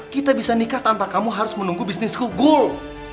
kita bisa nikah tanpa kamu harus menunggu bisnis google